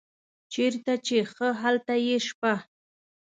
چیرته چې ښه هلته یې شپه.